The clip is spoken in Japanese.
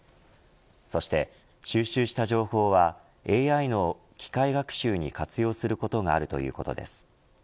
そして収集した情報はＡＩの機械学習に活用することがあるということです。